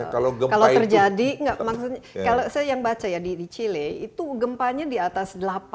kalau terjadi saya yang baca ya di chile itu gempanya di atas delapan